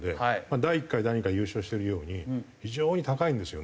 第１回第２回優勝してるように非常に高いんですよね。